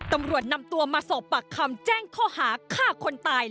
ตำรวจนำตัวมาสอบปากคำแจ้งข้อหาฆ่าคนตาย